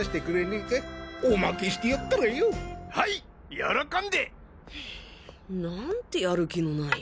よろこんで！なんてやる気のない。